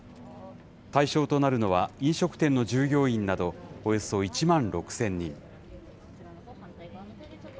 対象となるのは、飲食店の従業員など、およそ１万６０００人。